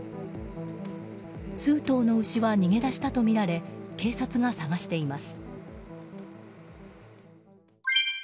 数頭の牛は逃げ出したとみられ警察が探しています。